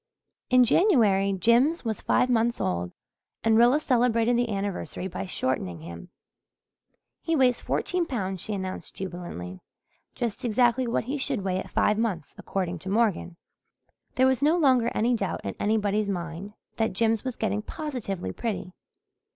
In January Jims was five months old and Rilla celebrated the anniversary by shortening him. "He weighs fourteen pounds," she announced jubilantly. "Just exactly what he should weigh at five months, according to Morgan." There was no longer any doubt in anybody's mind that Jims was getting positively pretty.